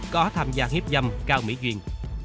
có tham gia hiếp dâm cao mỹ duyên